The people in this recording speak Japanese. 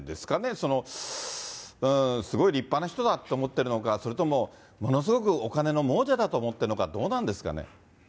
その、すごい立派な人だと思っているのか、それともものすごくお金の亡者だと思ってるのか、どうなんですかね。